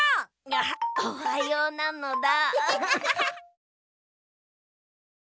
アハッおはようなのだ。